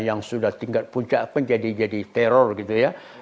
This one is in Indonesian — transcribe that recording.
yang sudah tingkat puncak pun jadi jadi teror gitu ya